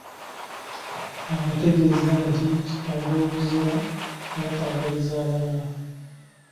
Abategeeza nti kiraga obuzira n'okwagaliza abalala.